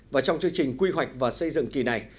và trong chương trình quy hoạch và xây dựng kỳ này